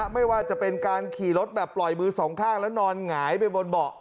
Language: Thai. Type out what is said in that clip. ไม่ว่าจะเป็นการขี่รถแบบปล่อยมือสองข้างแล้วนอนหงายไปบนเบาะ